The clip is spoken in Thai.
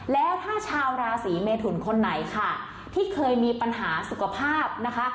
แล้วถ้าชาวราศีเมทุนคนไหนค่ะที่เคยมีปัญหาสุขภาพนะคะ